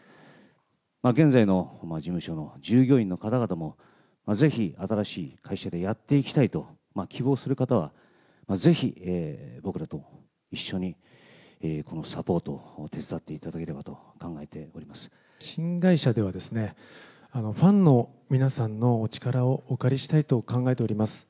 現在の事務所の従業員の方々も、ぜひ新しい会社でやっていきたいと希望する方は、ぜひ僕らと一緒にこのサポートを手伝っていただければと考えてお新会社では、ファンの皆さんのお力をお借りしたいと考えております。